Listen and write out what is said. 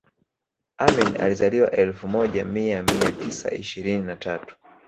Amin alizaliwa elfu moja mia mia tisa ishirini na tatu